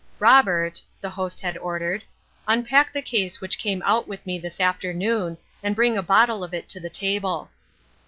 " Robert," the host had ordered, " unpack the case which came out with me this afternoon, and bring a bottle of it to the table."